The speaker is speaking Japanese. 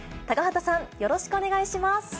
高畑さん、よろしくお願いします。